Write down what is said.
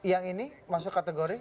yang ini masuk kategori